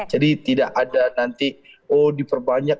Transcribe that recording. jadi tidak ada nanti oh diperbanyak